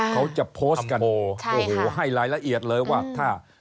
เขาจะโพสต์กันโอ้โหให้รายละเอียดเลยว่าถ้า